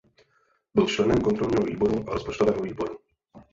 Byl členem kontrolního výboru a rozpočtového výboru.